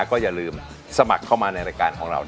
คุณแม่รู้สึกยังไงในตัวของกุ้งอิงบ้าง